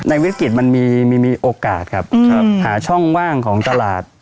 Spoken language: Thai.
ในวิศกิจมันมีมีมีโอกาสครับอืมหาช่องว่างของตลาด